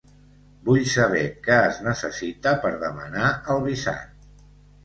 Vull saber què es necessita per demanar el visat.